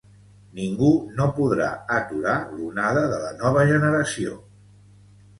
Ningú no podrà aturar l’onada de la nova generació.